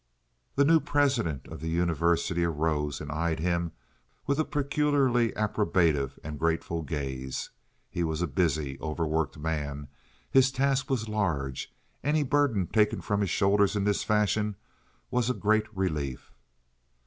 The new president of the university arose and eyed him with a peculiarly approbative and grateful gaze. He was a busy, overworked man. His task was large. Any burden taken from his shoulders in this fashion was a great relief.